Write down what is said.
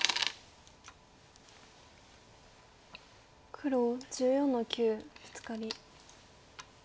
黒１４の九ブツカリ。